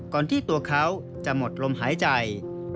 ที่ตัวเขาจะหมดลมหายใจ